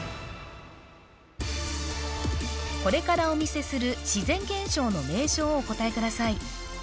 これからお見せする自然現象の名称をお答えください